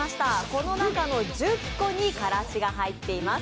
この中の１０個にからしが入っています。